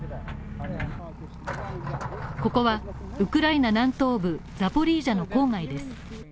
ここは、ウクライナ南東部ザポリージャ郊外です。